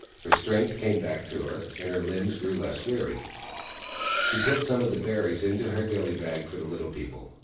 Her strength came back to her, and her limbs grew less weary. She put some of the berries into her dilly bag for the Little People.